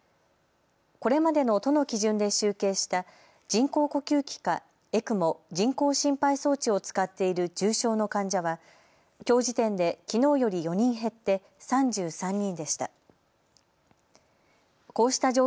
これまでの都の基準で集計した人工呼吸器かＥＣＭＯ・人工心肺装置を使っている重症の患者はきょう時点できのうより４人減って３３人でした。